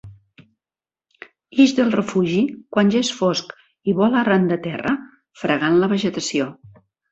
Ix del refugi quan ja és fosc i vola arran de terra, fregant la vegetació.